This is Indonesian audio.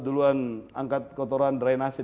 duluan angkat kotoran drainasi